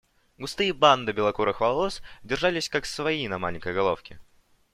Густые бандо белокурых волос держались как свои на маленькой головке.